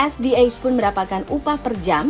sdh pun merapakan upah per jam